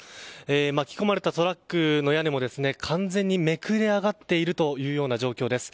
巻き込まれたトラックの屋根も完全にめくれ上がっているという状況です。